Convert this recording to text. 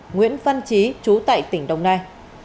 nguyễn văn trí chú tại tỉnh đồng nai